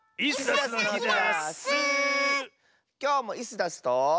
きょうもイスダスと。